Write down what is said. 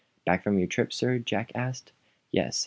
"Back from your trip, sir?" Jack asked. "Yes.